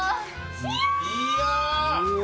いや！